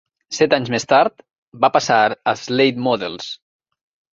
Set anys més tard, va passar als "late models".